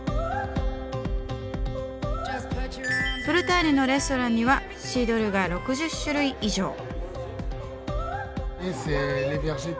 ブルターニュのレストランにはシードルが６０種類以上。